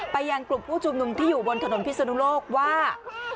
ยังกลุ่มผู้ชุมนุมที่อยู่บนถนนพิศนุโลกว่า